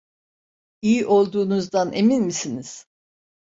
İyi olduğunuzdan emin misiniz?